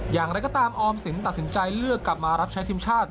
อย่างไรก็ตามออมสินตัดสินใจเลือกกลับมารับใช้ทีมชาติ